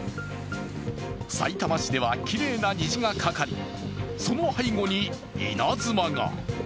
さいたま市ではきれいな虹がかかり、その背後に稲妻が。